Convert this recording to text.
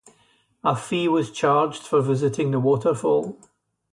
A fee was charged for visiting the waterfall.